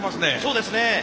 そうですね。